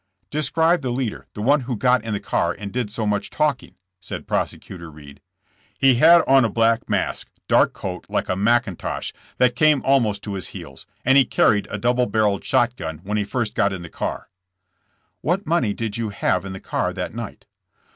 ''Describe the leader, the one who got in the car and did so much talking," said Prosecutor Reed. He had on a black mask, dark coat like a mack intosh, that came almost to his heels, and he carried a double barreled shot gun when he first got in the car. '' "What money did you have in the car that night?"